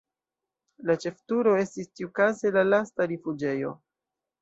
La ĉefturo estis tiukaze la lasta rifuĝejo.